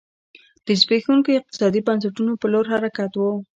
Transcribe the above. د زبېښونکو اقتصادي بنسټونو په لور حرکت و.